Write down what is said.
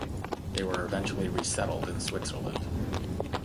They were eventually resettled in Switzerland.